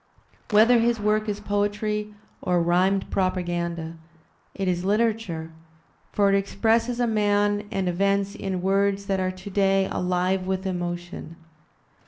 Whether his work is poetry or rhymed propaganda, it is literature, for it expresses a man and events in words that are to day alive with emotion.